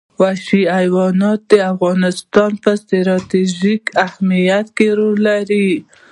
وحشي حیوانات د افغانستان په ستراتیژیک اهمیت کې رول لري.